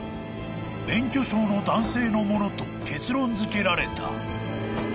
［免許証の男性のものと結論づけられた］